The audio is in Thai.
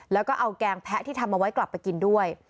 แล้วก็เอาแกงแพะที่ทำเอาไว้กลับไปกินด้วย